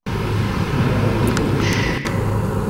Tgerrzeḍ deg kullec.